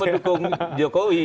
saya mendukung jokowi